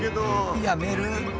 やめる？